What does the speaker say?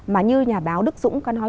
mà như nhà báo đức dũng có nói